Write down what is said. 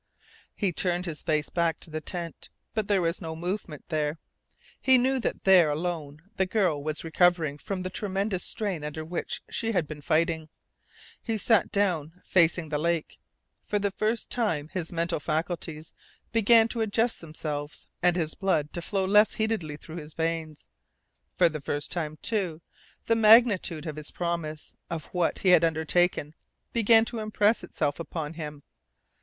He turned his face back to the tent, but there was no movement there. He knew that there alone the girl was recovering from the tremendous strain under which she had been fighting. He sat down, facing the lake. For the first time his mental faculties began to adjust themselves and his blood to flow less heatedly through his veins. For the first time, too, the magnitude of his promise of what he had undertaken began to impress itself upon him.